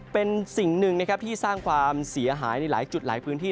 เป็นสิ่งหนึ่งนะครับที่สร้างความเสียหายในหลายจุดหลายพื้นที่